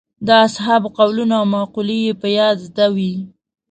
د اصحابو قولونه او مقولې یې په یاد زده وې.